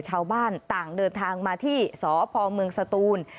ชาวบ้านต่างเดินทางมาที่สพเมืองสตูน